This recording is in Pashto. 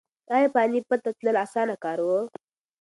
ایا پاني پت ته تلل اسانه کار و؟